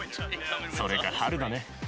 それか春だね。